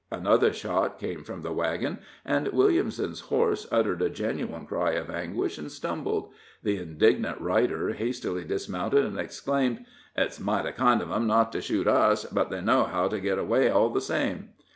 Another shot came from the wagon, and Williamson's horse uttered a genuine cry of anguish and stumbled. The indignant rider hastily dismounted, and exclaimed: "It's mighty kind of 'em not to shoot us, but they know how to get away all the same."